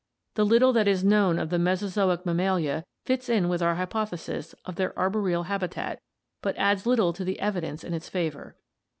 ... The little that is known of the Mesozoic Mammalia fits in with our hypothesis of their arboreal habitat but adds little to the evidence in its favor.